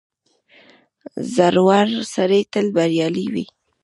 • زړور سړی تل بریالی وي.